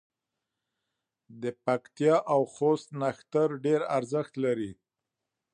د پکتیا او خوست نښتر ډېر ارزښت لري.